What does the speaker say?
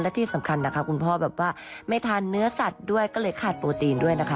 และที่สำคัญนะคะคุณพ่อแบบว่าไม่ทานเนื้อสัตว์ด้วยก็เลยขาดโปรตีนด้วยนะคะ